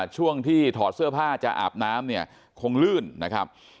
ช่วงที่ถอดเสื้อผ้าจะอาบน้ำเนี่ยคงลื่นนะครับ